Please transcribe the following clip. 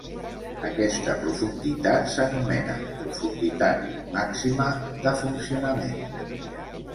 Aquesta profunditat s'anomena profunditat màxima de funcionament.